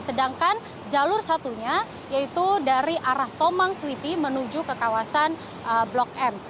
sedangkan jalur satunya yaitu dari arah tomang selipi menuju ke kawasan blok m